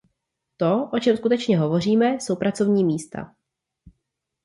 To, o čem skutečně hovoříme, jsou pracovní místa.